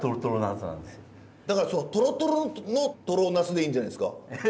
だからそのとろとろのとろナスでいいんじゃないですか？